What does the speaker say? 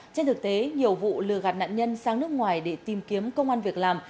trên thực tế nhiều vụ lừa gạt nạn nhân sang nước ngoài để tìm kiếm công an việc làm